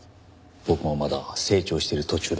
僕もまだ成長してる途中だから。